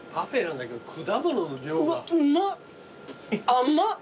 甘っ！